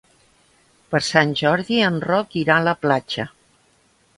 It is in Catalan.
Per Sant Jordi en Roc irà a la platja.